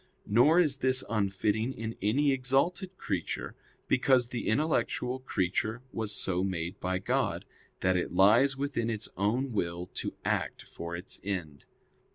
Nor is this unfitting in any exalted creature; because the intellectual creature was so made by God, that it lies within its own will to act for its end.